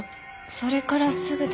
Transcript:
それからすぐで。